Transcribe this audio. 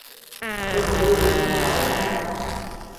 结果就一共买了三本